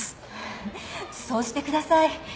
そうしてください。